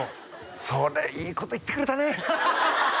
それいいこと言ってくれたね